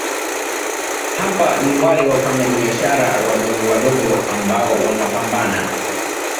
hapa ni wale Wafanyabiashara wadogowadogo ambao wanapambana